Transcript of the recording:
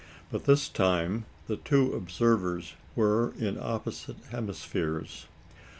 But this time the two observers were in opposite hemispheres.